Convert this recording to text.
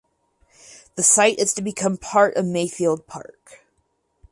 The site is to become part of Mayfield Park.